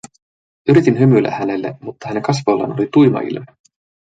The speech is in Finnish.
Yritin hymyillä hänelle, mutta hänen kasvoillaan oli tuima ilme.